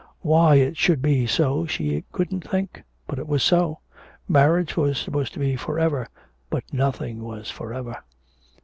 Why it should be so she couldn't think! but it was so. Marriage was supposed to be for ever, but nothing was for ever.